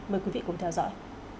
mời quý vị cùng theo dõi